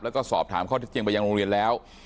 แล้วก็สอบถามข้อที่จริงไปยังโรงเรียนแล้ว